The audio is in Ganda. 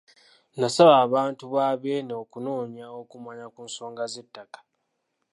N'asaba abantu ba Beene okunoonya okumanya ku nsonga z'ettaka.